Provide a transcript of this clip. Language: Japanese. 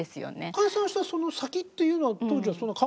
解散したその先っていうのは当時はそんな考えてもいない？